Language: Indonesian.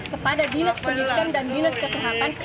kepada dinas pendidikan dan dinas kesehatan